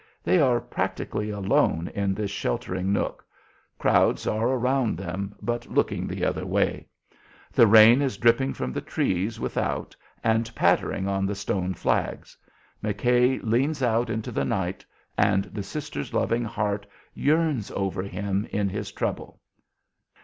They are practically alone in this sheltered nook. Crowds are around them, but looking the other way. The rain is dripping from the trees without and pattering on the stone flags. McKay leans out into the night, and the sister's loving heart yearns over him in his trouble.